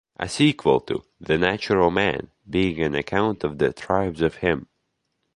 A Sequel to 'The Natural Man,' Being an Account of the Tribes of Him.